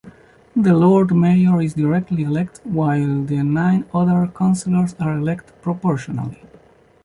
The Lord Mayor is directly elected while the nine other Councillors are elected proportionally.